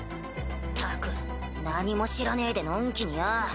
ったく何も知らねぇでのんきによぉ。